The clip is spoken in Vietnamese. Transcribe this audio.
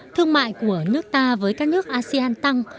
thương mại của nước ta với các nước asean tăng